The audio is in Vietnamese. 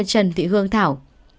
trần thị hương thảo